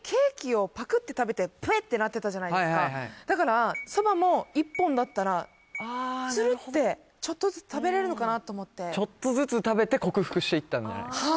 ペッてなってたじゃないですかだからそばも１本だったらツルッてちょっとずつ食べれるのかなと思ってちょっとずつ食べて克服していったんじゃないかと？